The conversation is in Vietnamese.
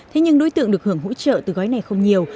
thế nhưng đối tượng được hưởng hỗ trợ từ gói này không nhiều